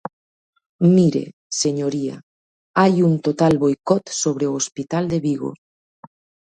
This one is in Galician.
Mire, señoría, hai un total boicot sobre o hospital de Vigo.